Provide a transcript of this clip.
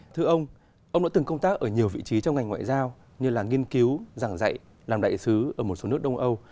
thưa ông ông đã từng công tác ở nhiều vị trí trong ngành ngoại giao như là nghiên cứu giảng dạy làm đại sứ ở một số nước đông âu